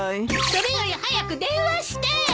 それより早く電話して！